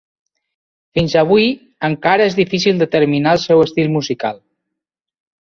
Fins avui, encara és difícil determinar el seu estil musical.